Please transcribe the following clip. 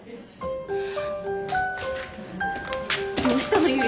どうしたの？